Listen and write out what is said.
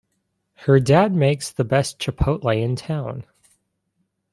Her dad makes the best chipotle in town!